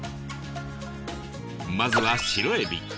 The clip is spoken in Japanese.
まずはシロエビ。